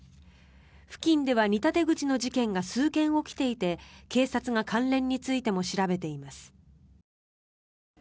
付近では似た手口の事件が数件起きていて警察が関連についても調べています。